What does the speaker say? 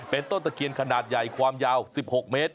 เป็นต้นตะเคียนขนาดใหญ่ความยาว๑๖เมตร